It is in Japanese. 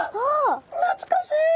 懐かしい！